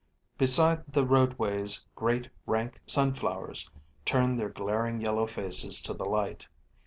Beside the roadways great, rank sunflowers turned their glaring yellow faces to the light.